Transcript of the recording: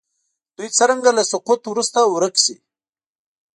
دوی څرنګه له سقوط وروسته ورک شي.